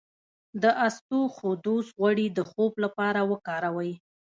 د اسطوخودوس غوړي د خوب لپاره وکاروئ